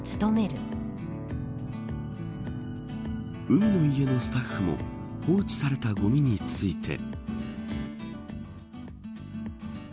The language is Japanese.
海の家のスタッフも放置されたごみについて。